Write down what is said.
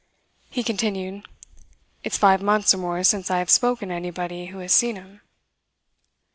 He continued: "It's five months or more since I have spoken to anybody who has seen him."